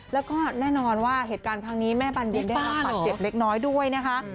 แล้วก็แน่นอนว่าเหตุการณ์ครั้งนี้แม่บานเย็นได้รับบาดเจ็บเล็กน้อยด้วยนะคะ